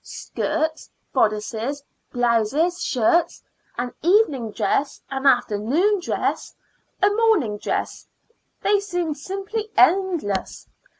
Skirts, bodices, blouses, shirts; an evening dress, an afternoon dress, a morning dress they seemed simply endless.